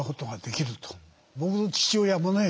僕の父親もね